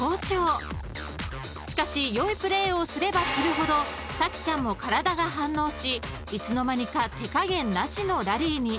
［しかし良いプレーをすればするほど咲ちゃんも体が反応しいつの間にか手加減なしのラリーに］